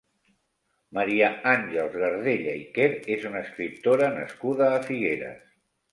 Maria Àngels Gardella i Quer és una escriptora nascuda a Figueres.